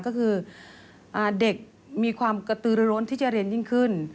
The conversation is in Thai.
ก็คือเด็กมีความกระตือร้นที่จะเรียนยิ่งขึ้น